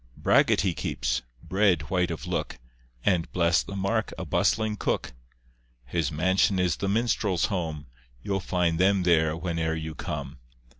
Bragget he keeps, bread white of look, And, bless the mark, a bustling cook. His mansion is the minstrels' home, You'll find them there whene'er you come.